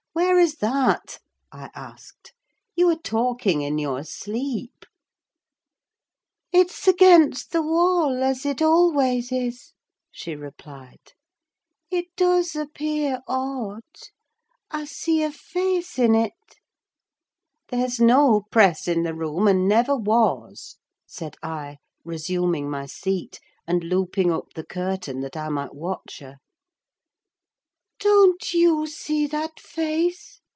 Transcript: where is that?" I asked. "You are talking in your sleep!" "It's against the wall, as it always is," she replied. "It does appear odd—I see a face in it!" "There's no press in the room, and never was," said I, resuming my seat, and looping up the curtain that I might watch her. "Don't you see that face?"